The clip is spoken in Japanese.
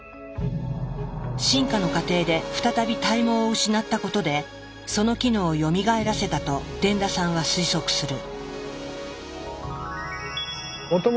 進化の過程で再び体毛を失ったことでその機能をよみがえらせたと傳田さんは推測する。